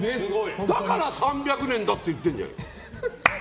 だから３００年だって言ってるじゃない。